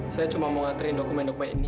saya cuma mau ngaturin dokumen dokumen ini